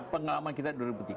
pengalaman kita dua ribu tiga belas